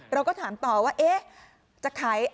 เราก็ถามต่อว่าเอ๊ะ